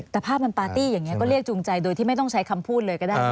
แต่ภาพมันปาร์ตี้อย่างนี้ก็เรียกจูงใจโดยที่ไม่ต้องใช้คำพูดเลยก็ได้